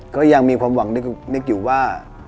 ก็ยังมีความหวังนึกอยู่ว่า